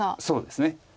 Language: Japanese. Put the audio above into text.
そうですね。